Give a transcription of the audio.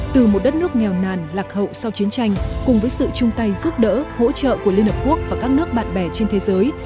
từ một đất nước nghèo nàn lạc hậu sau chiến tranh cùng với sự chung tay giúp đỡ hỗ trợ của liên hợp quốc và các nước bạn bè trên thế giới